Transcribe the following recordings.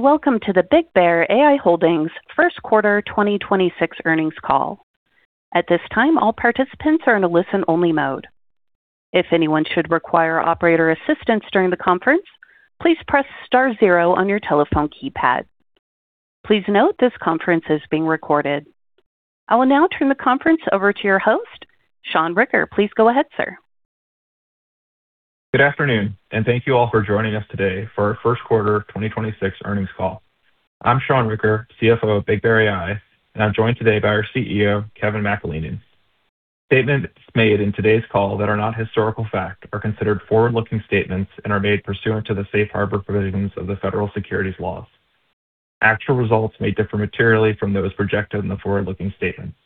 Welcome to the BigBear.ai Holdings first quarter 2026 earnings call. At this time all participants are in only listen mode. If anyone should require operator assistance during the conference please press star zero on your telephone keypad. Please note this conference is being recorded. I will now turn the conference over to your host, Sean Ricker. Please go ahead, sir. Good afternoon. Thank you all for joining us today for our first quarter 2026 earnings call. I'm Sean Ricker, CFO of BigBear.ai, and I'm joined today by our CEO, Kevin McAleenan. Statements made in today's call that are not historical fact are considered forward-looking statements and are made pursuant to the safe harbor provisions of the federal securities laws. Actual results may differ materially from those projected in the forward-looking statements.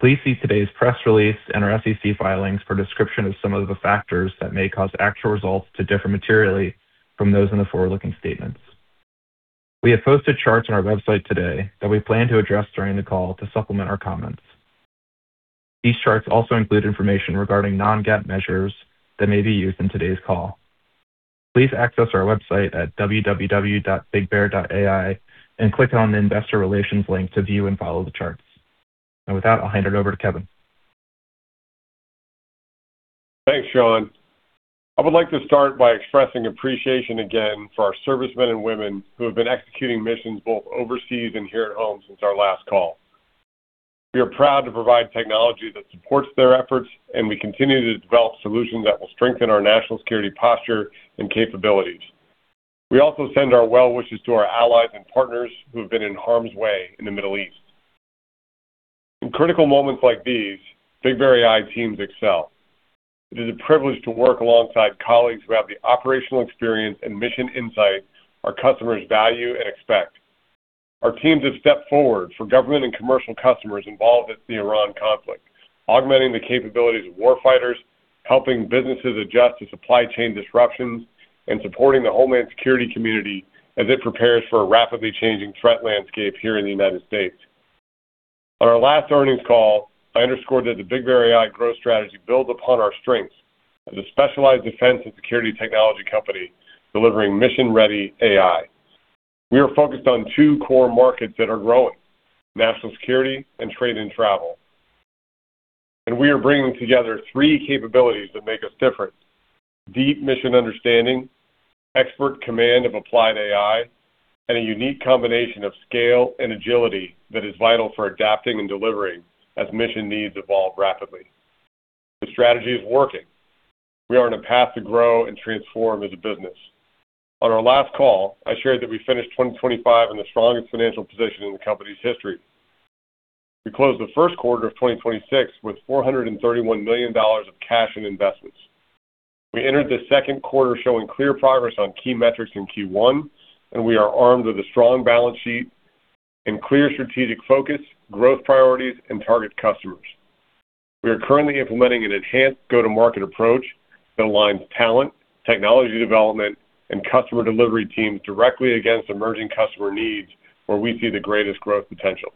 Please see today's press release and our SEC filings for a description of some of the factors that may cause actual results to differ materially from those in the forward-looking statements. We have posted charts on our website today that we plan to address during the call to supplement our comments. These charts also include information regarding non-GAAP measures that may be used in today's call. Please access our website at www.bigbear.ai and click on the Investor Relations link to view and follow the charts. With that, I'll hand it over to Kevin. Thanks, Sean. I would like to start by expressing appreciation again for our servicemen and women who have been executing missions both overseas and here at home since our last call. We are proud to provide technology that supports their efforts, and we continue to develop solutions that will strengthen our national security posture and capabilities. We also send our well wishes to our allies and partners who have been in harm's way in the Middle East. In critical moments like these, BigBear.ai teams excel. It is a privilege to work alongside colleagues who have the operational experience and mission insight our customers value and expect. Our teams have stepped forward for government and commercial customers involved with the Iran conflict, augmenting the capabilities of warfighters, helping businesses adjust to supply chain disruptions, and supporting the Homeland Security community as it prepares for a rapidly changing threat landscape here in the United States. On our last earnings call, I underscored that the BigBear.ai growth strategy builds upon our strengths as a specialized defense and security technology company delivering mission-ready AI. We are focused on two core markets that are growing, national security and trade and travel. We are bringing together three capabilities that make us different: deep mission understanding, expert command of applied AI, and a unique combination of scale and agility that is vital for adapting and delivering as mission needs evolve rapidly. The strategy is working. We are on a path to grow and transform as a business. On our last call, I shared that we finished 2025 in the strongest financial position in the company's history. We closed the first quarter of 2026 with $431 million of cash and investments. We entered the second quarter showing clear progress on key metrics in Q1, and we are armed with a strong balance sheet and clear strategic focus, growth priorities, and target customers. We are currently implementing an enhanced go-to-market approach that aligns talent, technology development, and customer delivery teams directly against emerging customer needs where we see the greatest growth potential.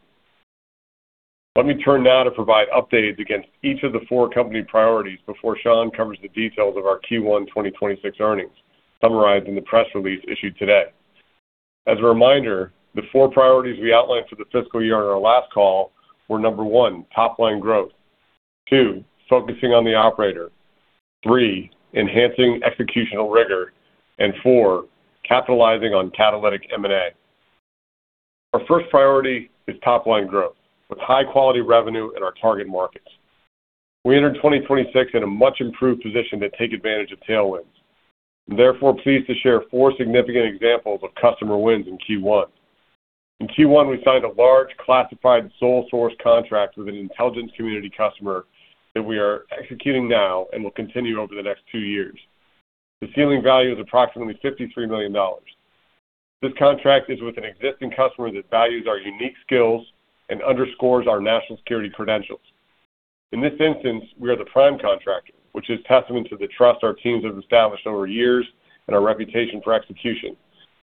Let me turn now to provide updates against each of the four company priorities before Sean covers the details of our Q1 2026 earnings, summarized in the press release issued today. As a reminder, the four priorities we outlined for the fiscal year on our last call were, number one, top-line growth, two, focusing on the operator, three, enhancing executional rigor, and four, capitalizing on catalytic M&A. Our first priority is top-line growth with high-quality revenue in our target markets. We entered 2026 in a much-improved position to take advantage of tailwinds. I'm therefore pleased to share four significant examples of customer wins in Q1. In Q1, we signed a large classified sole-source contract with an intelligence community customer that we are executing now and will continue over the next two years. The ceiling value is approximately $53 million. This contract is with an existing customer that values our unique skills and underscores our national security credentials. In this instance, we are the prime contractor, which is testament to the trust our teams have established over years and our reputation for execution.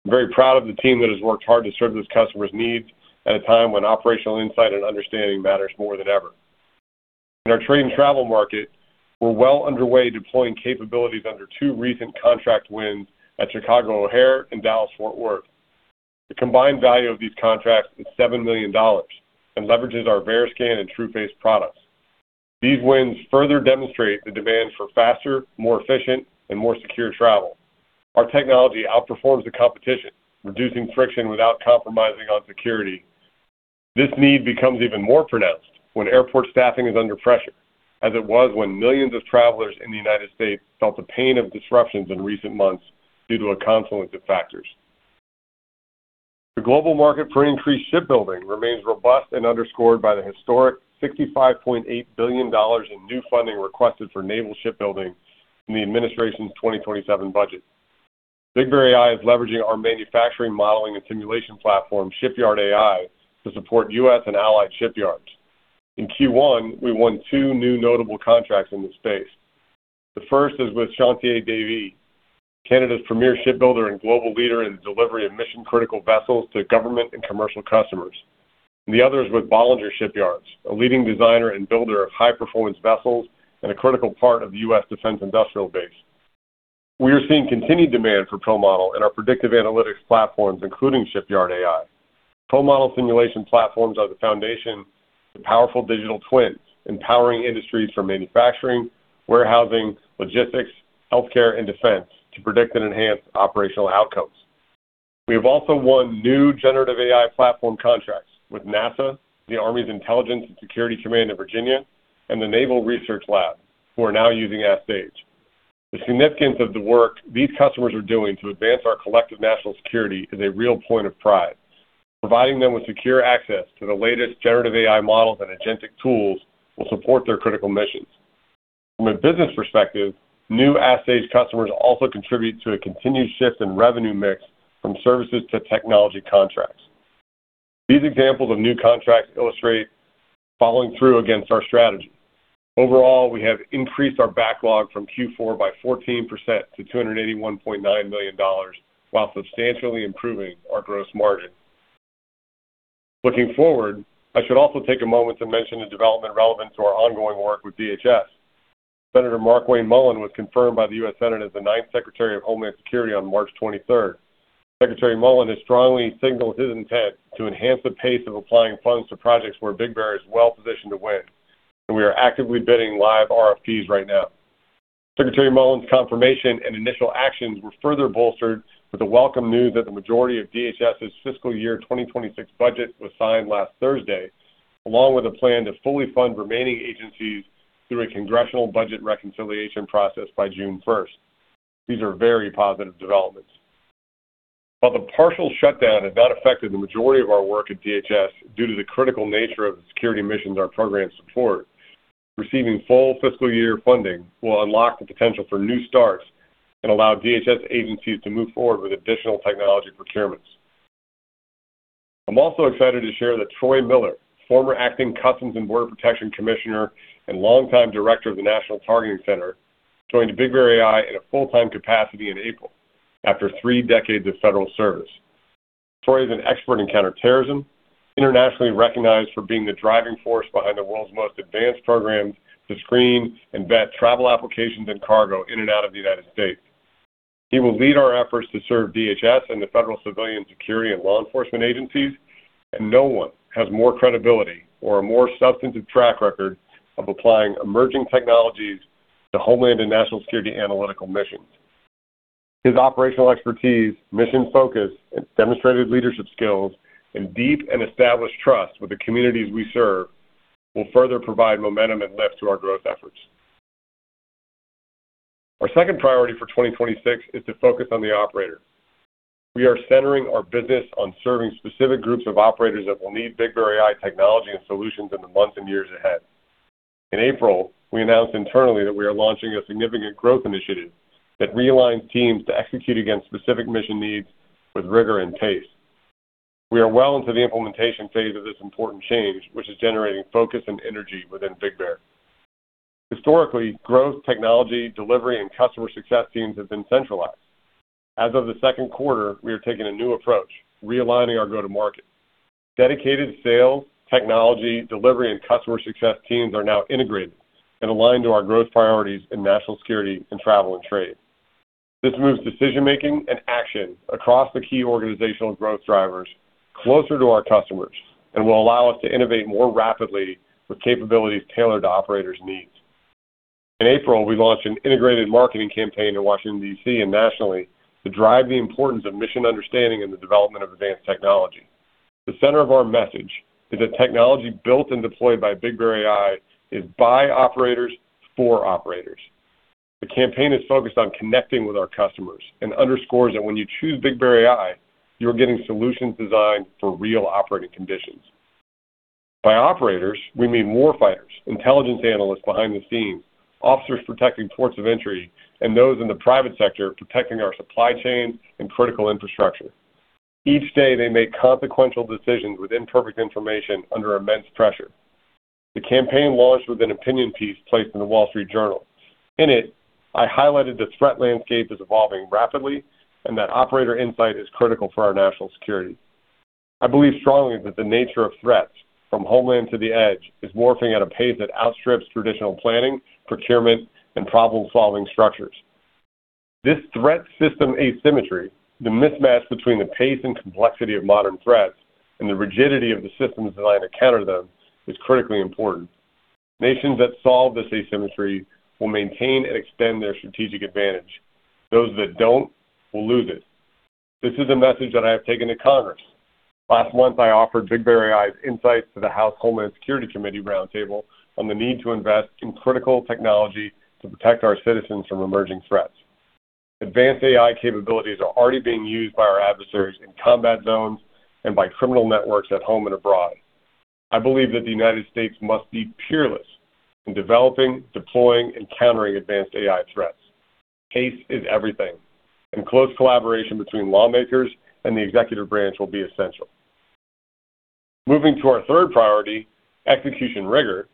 I'm very proud of the team that has worked hard to serve this customer's needs at a time when operational insight and understanding matters more than ever. In our trade and travel market, we're well underway deploying capabilities under two recent contract wins at Chicago O'Hare and Dallas Fort Worth. The combined value of these contracts is $7 million and leverages our BearScan and TrueFace products. These wins further demonstrate the demand for faster, more efficient, and more secure travel. Our technology outperforms the competition, reducing friction without compromising on security. This need becomes even more pronounced when airport staffing is under pressure, as it was when millions of travelers in the U.S. felt the pain of disruptions in recent months due to a confluence of factors. The global market for increased shipbuilding remains robust and underscored by the historic $65.8 billion in new funding requested for naval shipbuilding in the administration's 2027 budget. BigBear.ai is leveraging our manufacturing modeling and simulation platform, Shipyard AI, to support U.S. and allied shipyards. In Q1, we won two new notable contracts in this space. The first is with Chantier Davie, Canada's premier shipbuilder and global leader in the delivery of mission-critical vessels to government and commercial customers. The others with Bollinger Shipyards, a leading designer and builder of high-performance vessels and a critical part of the U.S. Defense industrial base. We are seeing continued demand for ProModel in our predictive analytics platforms, including Shipyard AI. ProModel simulation platforms are the foundation to powerful digital twins, empowering industries from manufacturing, warehousing, logistics, healthcare, and defense to predict and enhance operational outcomes. We have also won new generative AI platform contracts with NASA, the U.S. Army Intelligence and Security Command in Virginia, and the U.S. Naval Research Laboratory, who are now using Ask Sage. The significance of the work these customers are doing to advance our collective national security is a real point of pride. Providing them with secure access to the latest generative AI models and agentic tools will support their critical missions. From a business perspective, new Ask Sage customers also contribute to a continued shift in revenue mix from services to technology contracts. These examples of new contracts illustrate following through against our strategy. Overall, we have increased our backlog from Q4 by 14% to $281.9 million while substantially improving our gross margin. Looking forward, I should also take a moment to mention a development relevant to our ongoing work with DHS. Senator Markwayne Mullin was confirmed by the US Senate as the ninth Secretary of Homeland Security on March 23rd. Secretary Mullin has strongly signaled his intent to enhance the pace of applying funds to projects where BigBear.ai is well-positioned to win, and we are actively bidding live RFPs right now. Secretary Mullin's confirmation and initial actions were further bolstered with the welcome news that the majority of DHS's fiscal year 2026 budget was signed last Thursday, along with a plan to fully fund remaining agencies through a congressional budget reconciliation process by June 1st. These are very positive developments. While the partial shutdown has not affected the majority of our work at DHS due to the critical nature of the security missions our programs support, receiving full fiscal year funding will unlock the potential for new starts and allow DHS agencies to move forward with additional technology procurements. I'm also excited to share that Troy Miller, former acting Customs and Border Protection Commissioner and longtime director of the National Targeting Center, joined BigBear.ai in a full-time capacity in April after three decades of federal service. Troy is an expert in counterterrorism, internationally recognized for being the driving force behind the world's most advanced programs to screen and vet travel applications and cargo in and out of the U.S. He will lead our efforts to serve DHS and the federal civilian security and law enforcement agencies, and no one has more credibility or a more substantive track record of applying emerging technologies to homeland and national security analytical missions. His operational expertise, mission focus, and demonstrated leadership skills, and deep and established trust with the communities we serve will further provide momentum and lift to our growth efforts. Our second priority for 2026 is to focus on the operator. We are centering our business on serving specific groups of operators that will need BigBear.ai technology and solutions in the months and years ahead. In April, we announced internally that we are launching a significant growth initiative that realigns teams to execute against specific mission needs with rigor and pace. We are well into the implementation phase of this important change, which is generating focus and energy within BigBear.ai. Historically, growth, technology, delivery, and customer success teams have been centralized. As of the second quarter, we are taking a new approach, realigning our go-to-market. Dedicated sales, technology, delivery, and customer success teams are now integrated and aligned to our growth priorities in national security and travel and trade. This moves decision-making and action across the key organizational growth drivers closer to our customers and will allow us to innovate more rapidly with capabilities tailored to operators' needs. In April, we launched an integrated marketing campaign in Washington, D.C. and nationally to drive the importance of mission understanding in the development of advanced technology. The center of our message is that technology built and deployed by BigBear.ai is by operators, for operators. The campaign is focused on connecting with our customers and underscores that when you choose BigBear.ai, you're getting solutions designed for real operating conditions. By operators, we mean warfighters, intelligence analysts behind the scenes, officers protecting ports of entry, and those in the private sector protecting our supply chain and critical infrastructure. Each day, they make consequential decisions with imperfect information under immense pressure. The campaign launched with an opinion piece placed in The Wall Street Journal. In it, I highlighted the threat landscape is evolving rapidly and that operator insight is critical for our national security. I believe strongly that the nature of threats from homeland to the edge is morphing at a pace that outstrips traditional planning, procurement, and problem-solving structures. This threat system asymmetry, the mismatch between the pace and complexity of modern threats and the rigidity of the systems designed to counter them, is critically important. Nations that solve this asymmetry will maintain and extend their strategic advantage. Those that don't will lose it. This is a message that I have taken to Congress. Last month, I offered BigBear.ai's insights to the House Committee on Homeland Security roundtable on the need to invest in critical technology to protect our citizens from emerging threats. Advanced AI capabilities are already being used by our adversaries in combat zones and by criminal networks at home and abroad. I believe that the United States must be peerless in developing, deploying, and countering advanced AI threats. Pace is everything, and close collaboration between lawmakers and the executive branch will be essential. Moving to our third priority, execution rigor.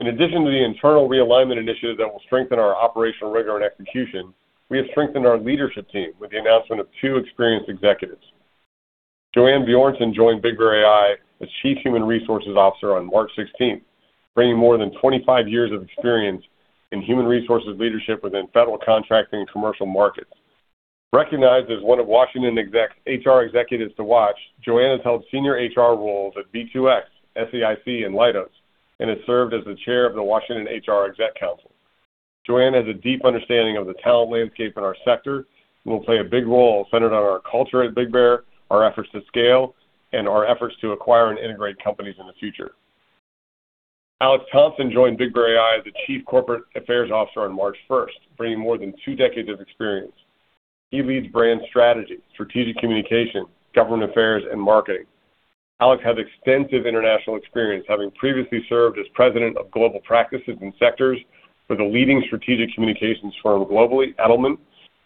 In addition to the internal realignment initiative that will strengthen our operational rigor and execution, we have strengthened our leadership team with the announcement of two experienced executives. Jo Ann Bjornson joined BigBear.ai as Chief Human Resources Officer on March 16th, bringing more than 25 years of experience in human resources leadership within federal contracting and commercial markets. Recognized as one of WashingtonExec's HR Executives to Watch, Jo Ann has held senior HR roles at V2X, SAIC, and Leidos, and has served as the chair of the Washington HR Exec Council. Jo Ann has a deep understanding of the talent landscape in our sector and will play a big role centered on our culture at BigBear.ai, our efforts to scale, and our efforts to acquire and integrate companies in the future. Alex Thompson joined BigBear.ai as the Chief Corporate Affairs Officer on March first, bringing more than two decades of experience. He leads brand strategy, strategic communication, government affairs, and marketing. Alex has extensive international experience, having previously served as President of Global Practices and Sectors for the leading strategic communications firm globally, Edelman,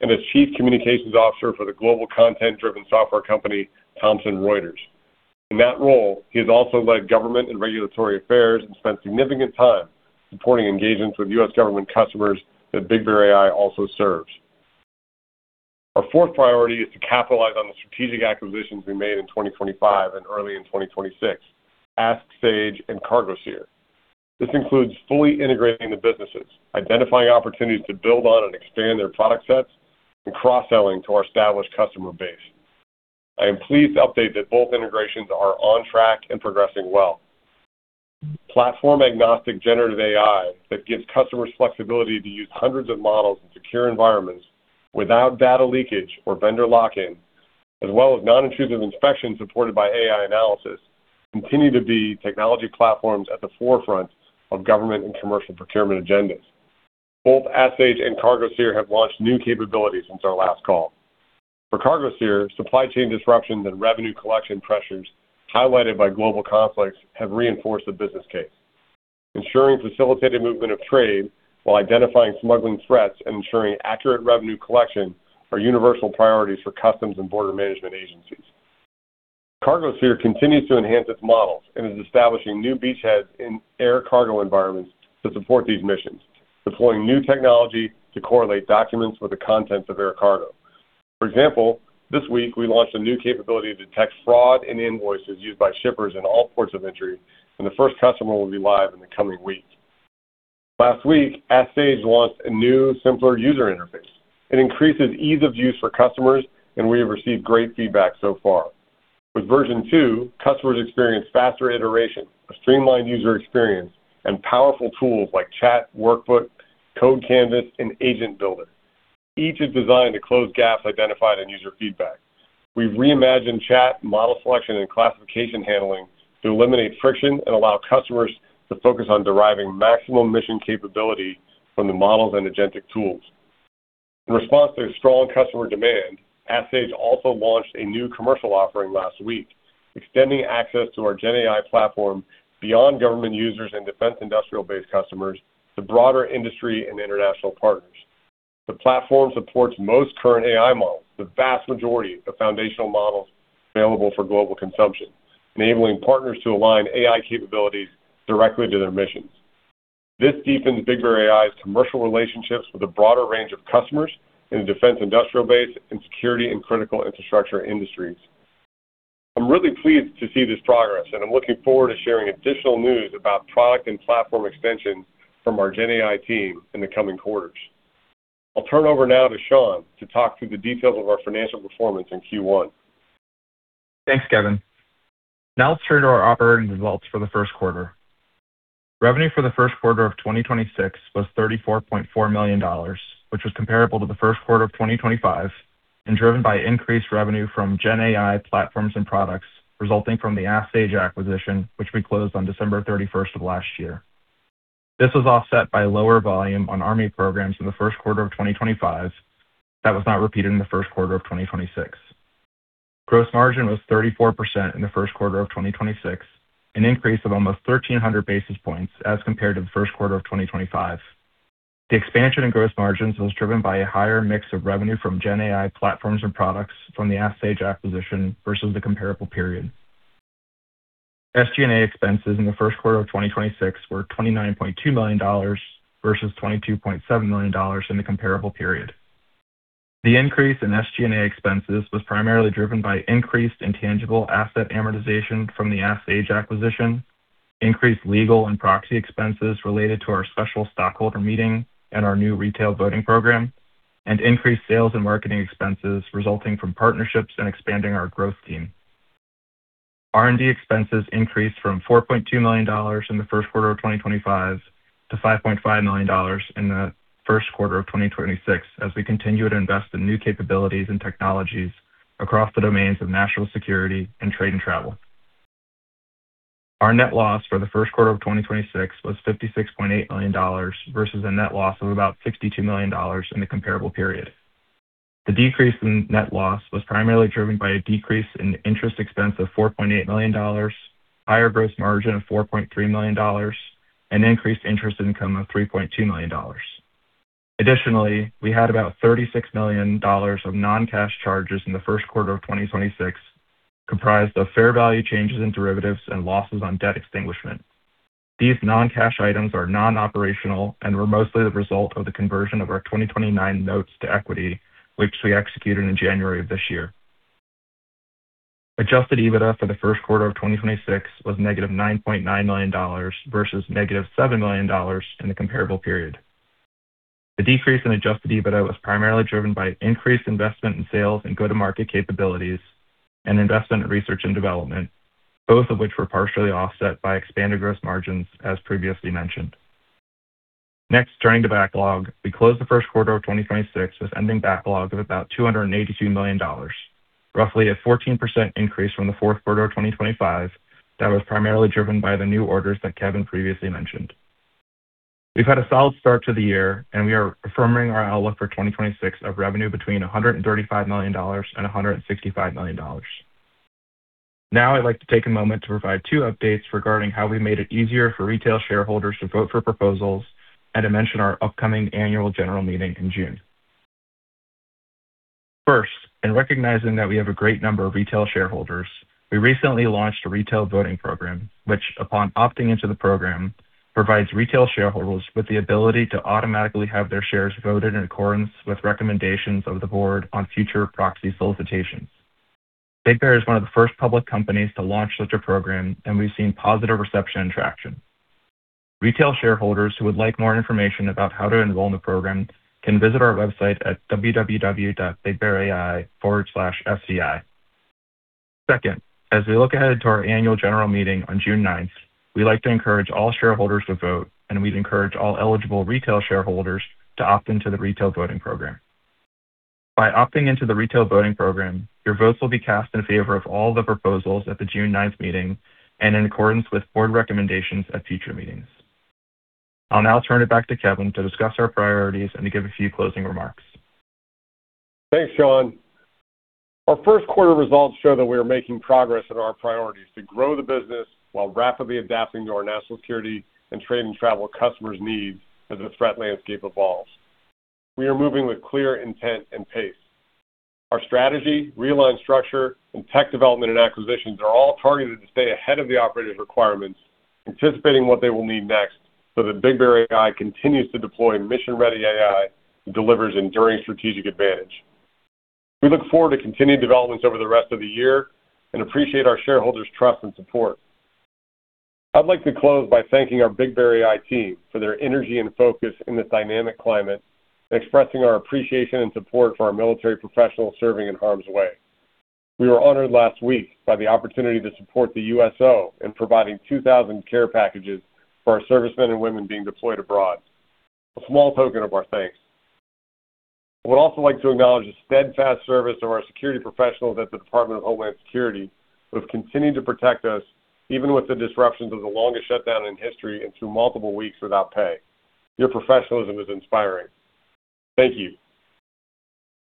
and as Chief Communications Officer for the global content-driven software company, Thomson Reuters. In that role, he has also led government and regulatory affairs and spent significant time supporting engagements with U.S. government customers that BigBear.ai also serves. Our fourth priority is to capitalize on the strategic acquisitions we made in 2025 and early in 2026, Ask Sage and CargoSeer. This includes fully integrating the businesses, identifying opportunities to build on and expand their product sets, and cross-selling to our established customer base. I am pleased to update that both integrations are on track and progressing well. Platform-agnostic Generative AI that gives customers flexibility to use hundreds of models in secure environments without data leakage or vendor lock-in, as well as non-intrusive inspection supported by AI analysis, continue to be technology platforms at the forefront of government and commercial procurement agendas. Both Ask Sage and CargoSeer have launched new capabilities since our last call. For CargoSeer, supply chain disruptions and revenue collection pressures highlighted by global conflicts have reinforced the business case. Ensuring facilitated movement of trade while identifying smuggling threats and ensuring accurate revenue collection are universal priorities for customs and border management agencies. CargoSeer continues to enhance its models and is establishing new beachheads in air cargo environments to support these missions, deploying new technology to correlate documents with the contents of air cargo. For example, this week we launched a new capability to detect fraud in invoices used by shippers in all ports of entry, and the first customer will be live in the coming weeks. Last week, Ask Sage launched a new, simpler user interface. It increases ease of use for customers, and we have received great feedback so far. With version two, customers experience faster iteration, a streamlined user experience, and powerful tools like chat, workbook, code canvas, and agent builder. Each is designed to close gaps identified in user feedback. We've reimagined chat, model selection, and classification handling to eliminate friction and allow customers to focus on deriving maximum mission capability from the models and agentic tools. In response to strong customer demand, Ask Sage also launched a new commercial offering last week, extending access to our GenAI platform beyond government users and defense industrial base customers to broader industry and international partners. The platform supports most current AI models, the vast majority of the foundational models available for global consumption, enabling partners to align AI capabilities directly to their missions. This deepens BigBear.ai's commercial relationships with a broader range of customers in the defense industrial base and security and critical infrastructure industries. I'm really pleased to see this progress, and I'm looking forward to sharing additional news about product and platform extension from our GenAI team in the coming quarters. I'll turn over now to Sean to talk through the details of our financial performance in Q1. Thanks, Kevin. Let's turn to our operating results for the first quarter. Revenue for the first quarter of 2026 was $34.4 million, which was comparable to the first quarter of 2025 and driven by increased revenue from GenAI platforms and products resulting from the Ask Sage acquisition, which we closed on December 31st of last year. This was offset by lower volume on Army programs in the first quarter of 2025 that was not repeated in the first quarter of 2026. Gross margin was 34% in the first quarter of 2026, an increase of almost 1,300 basis points as compared to the first quarter of 2025. The expansion in gross margins was driven by a higher mix of revenue from GenAI platforms and products from the Ask Sage acquisition versus the comparable period. SG&A expenses in the first quarter of 2026 were $29.2 million versus $22.7 million in the comparable period. The increase in SG&A expenses was primarily driven by increased intangible asset amortization from the Ask Sage acquisition, increased legal and proxy expenses related to our special stockholder meeting and our new retail voting program, and increased sales and marketing expenses resulting from partnerships and expanding our growth team. R&D expenses increased from $4.2 million in the first quarter of 2025 to $5.5 million in the first quarter of 2026 as we continue to invest in new capabilities and technologies across the domains of national security and trade and travel. Our net loss for the first quarter of 2026 was $56.8 million versus a net loss of about $62 million in the comparable period. The decrease in net loss was primarily driven by a decrease in interest expense of $4.8 million, higher gross margin of $4.3 million, and increased interest income of $3.2 million. We had about $36 million of non-cash charges in the first quarter of 2026, comprised of fair value changes in derivatives and losses on debt extinguishment. These non-cash items are non-operational and were mostly the result of the conversion of our 2029 Notes to equity, which we executed in January of this year. Adjusted EBITDA for the first quarter of 2026 was -$9.9 million versus -$7 million in the comparable period. The decrease in adjusted EBITDA was primarily driven by increased investment in sales and go-to-market capabilities and investment in research and development, both of which were partially offset by expanded gross margins as previously mentioned. Next, turning to backlog. We closed the first quarter of 2026 with ending backlog of about $282 million, roughly a 14% increase from the fourth quarter of 2025 that was primarily driven by the new orders that Kevin previously mentioned. We've had a solid start to the year, and we are affirming our outlook for 2026 of revenue between $135 million and $165 million. Now I'd like to take a moment to provide two updates regarding how we made it easier for retail shareholders to vote for proposals and to mention our upcoming annual general meeting in June. First, in recognizing that we have a great number of retail shareholders, we recently launched a retail voting program, which upon opting into the program, provides retail shareholders with the ability to automatically have their shares voted in accordance with recommendations of the board on future proxy solicitations. BigBear.ai is one of the first public companies to launch such a program, and we've seen positive reception and traction. Retail shareholders who would like more information about how to enroll in the program can visit our website at www.bigbearai/sci. Second, as we look ahead to our annual general meeting on June 9th, we like to encourage all shareholders to vote, and we'd encourage all eligible retail shareholders to opt into the retail voting program. By opting into the retail voting program, your votes will be cast in favor of all the proposals at the June 9th meeting and in accordance with board recommendations at future meetings. I'll now turn it back to Kevin to discuss our priorities and to give a few closing remarks. Thanks, Sean. Our first quarter results show that we are making progress in our priorities to grow the business while rapidly adapting to our national security and trade and travel customers' needs as the threat landscape evolves. We are moving with clear intent and pace. Our strategy, realigned structure, and tech development and acquisitions are all targeted to stay ahead of the operators' requirements, anticipating what they will need next so that BigBear.ai continues to deploy mission-ready AI and delivers enduring strategic advantage. We look forward to continued developments over the rest of the year and appreciate our shareholders' trust and support. I'd like to close by thanking our BigBear.ai team for their energy and focus in this dynamic climate and expressing our appreciation and support for our military professionals serving in harm's way. We were honored last week by the opportunity to support the USO in providing 2,000 care packages for our servicemen and women being deployed abroad. A small token of our thanks. I would also like to acknowledge the steadfast service of our security professionals at the Department of Homeland Security who have continued to protect us even with the disruptions of the longest shutdown in history and through multiple weeks without pay. Your professionalism is inspiring. Thank you.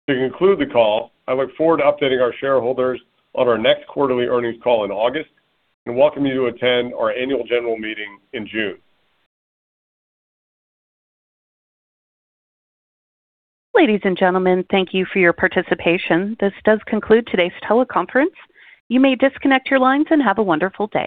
To conclude the call, I look forward to updating our shareholders on our next quarterly earnings call in August and welcome you to attend our annual general meeting in June. Ladies and gentlemen, thank you for your participation. This does conclude today's teleconference. You may disconnect your lines and have a wonderful day.